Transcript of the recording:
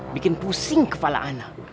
bikin pusing kepala anak